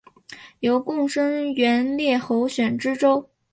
由贡生援例候选知州。